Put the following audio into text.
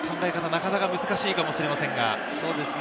なかなか難しいかもしれませんが。